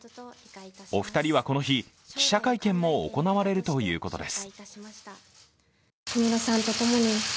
お二人はこの日、記者会見も行われるということです。